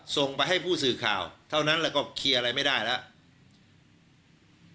ส่งไปให้ผู้สื่อข่าวเท่านั้นแล้วก็เคลียร์อะไรไม่ได้แล้ว